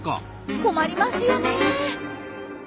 困りますよね。